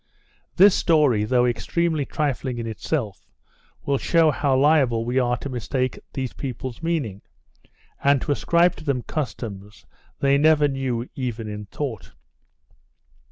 This story, though extremely trifling in itself, will shew how liable we are to mistake these people's meaning, and to ascribe to them customs they never knew even in thought.